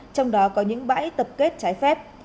trong đó có những bãi tập kết trái phép